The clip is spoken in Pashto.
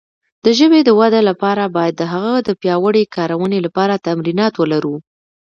د ژبې د وده لپاره باید د هغه د پیاوړې کارونې لپاره تمرینات ولرو.